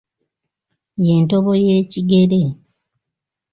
Ye ntobo y'ekigere.